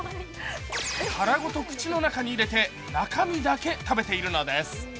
殻ごと口の中に入れて中身だけ食べているのです。